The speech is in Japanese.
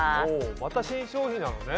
また新商品なのね。